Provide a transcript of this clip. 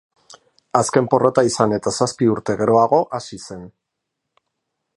Azken porrota izan eta zazpi urte geroago hasi zen.